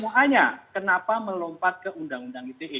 makanya kenapa melompat ke undang undang ite